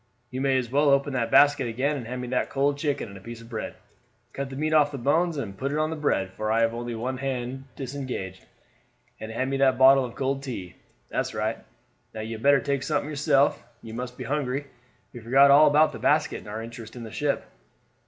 You may as well open that basket again and hand me that cold chicken and a piece of bread; cut the meat off the bones and put it on the bread, for I have only one hand disengaged; and hand me that bottle of cold tea. That's right. Now you had better take something yourself. You must be hungry. We forgot all about the basket in our interest in the ship."